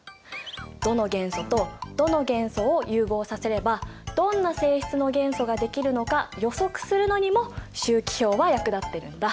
どの元素とどの元素を融合させればどんな性質の元素ができるのか予測するのにも周期表は役立ってるんだ。